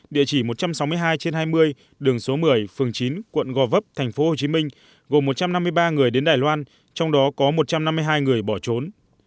địa chỉ một trăm sáu mươi hai trên hai mươi đường số một mươi phường chín quận gò vấp tp hcm gồm một trăm năm mươi ba người đến đài loan trong đó có một trăm năm mươi hai người bỏ trốn